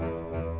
tidak ada apa apa